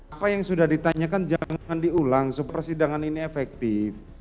apa yang sudah ditanyakan jangan diulang supaya sidangan ini efektif